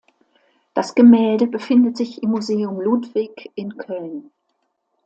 Das Gemälde befindet sich im Museum Ludwig in Köln.